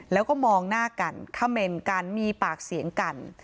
แล้วก็มองหน้ากันเขม่นกันมีปากเสียงกัน